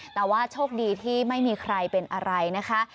แต่ว่าโชคดีที่ไม่มีใครเป็นอะไรนะคะ